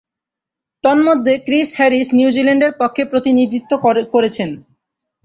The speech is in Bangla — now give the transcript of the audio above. তন্মধ্যে, ক্রিস হ্যারিস নিউজিল্যান্ডের পক্ষে প্রতিনিধিত্ব করেছেন।